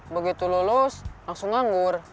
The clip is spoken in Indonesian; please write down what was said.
begitu lulus adams nganggur